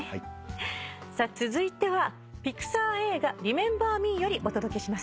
さあ続いてはピクサー映画『リメンバー・ミー』よりお届けします。